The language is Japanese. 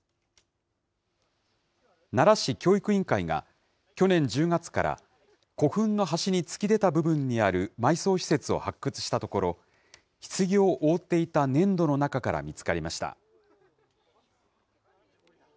奈良市教育委員会が、去年１０月から、古墳の端に突き出た部分にある埋葬施設を発掘したところ、ひつぎを覆っていた粘土の中から見つかりました。